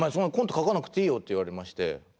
書かなくていいよって言われまして。